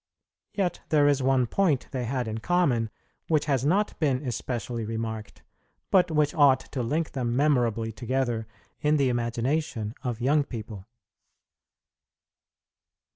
Yet there is one point they had in common which has not been especially remarked, but which ought to link them memorably together in the imagination of young people.